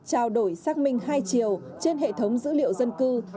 trao đổi xác minh hai chiều trên hệ thống dữ liệu dân cư